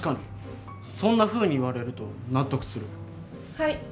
はい。